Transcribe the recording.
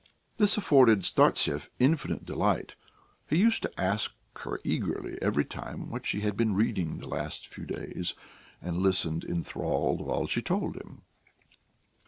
This afforded Startsev infinite delight; he used to ask her eagerly every time what she had been reading the last few days, and listened enthralled while she told him.